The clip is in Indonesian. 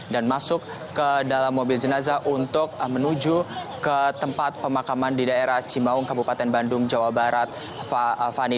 dan masuk ke dalam mobil jenazah untuk menuju ke tempat pemakaman di daerah cimaung kabupaten bandung jawa barat fani